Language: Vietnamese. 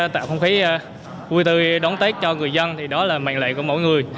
tạo không khí vui tươi đón tết cho người dân thì đó là mệnh lệ của mỗi người